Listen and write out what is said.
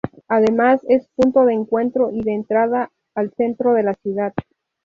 Además es punto de encuentro y de entrada al centro de la ciudad.